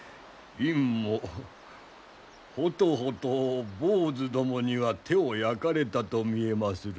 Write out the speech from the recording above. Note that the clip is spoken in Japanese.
院もほとほと坊主どもには手を焼かれたと見えまするな。